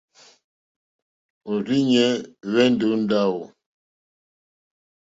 Òrzìɲɛ́ hwɛ́ndɛ̀ ó ndáwò.